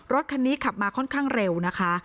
รถคันนี้ขับมาค่อนข้างเร็วนะคะ